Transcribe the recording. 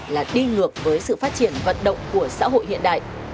là đi ngược với sự phát triển vận động của xã hội hiện đại